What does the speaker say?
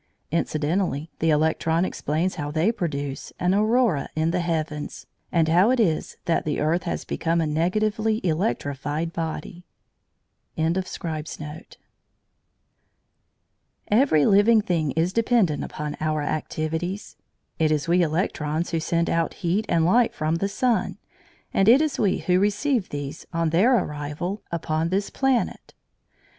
Incidentally the electron explains how they produce an aurora in the heavens, and how it is that the earth has become a negatively electrified body. CHAPTER XIII A BOON TO MAN Every living thing is dependent upon our activities. It is we electrons who send out heat and light from the sun, and it is we who receive these on their arrival upon this planet.